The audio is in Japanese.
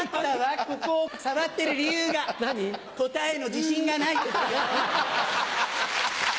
答えの自信がない時よ。